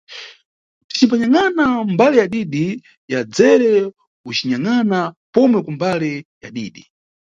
Ticimbanyangʼana mbali ya didi, ya dzere ucinyangʼana pomwe kumbali ya didi.